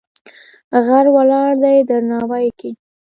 غر ولاړ دی درناوی کې.